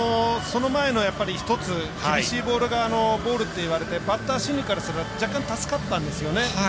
その前の１つ、厳しいボールがボールっていわれてバッター心理からすると若干、助かったんですよね。